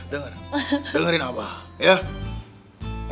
dengerin apa ya